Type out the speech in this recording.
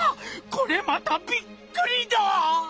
これまたびっくりだ！